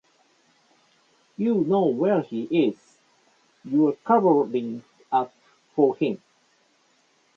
You know where he is. You're covering up for him.